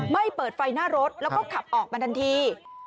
ไม่เปิดไฟหน้ารถแล้วก็ขับออกมาทันที